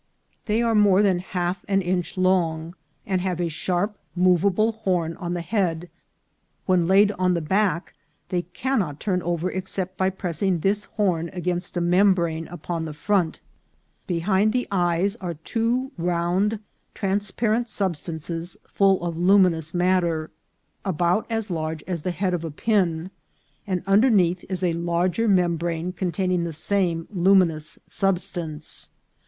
They are more than half an inch long, and have a sharp movable horn on the head ; when laid on the back they cannot turn over ex cept by pressing this horn against a membrane upon the front. Behind the eyes are two round transparent substances full of luminous matter, about as large as the head of a pin, and underneath is a larger membrane containing the same luminous substance.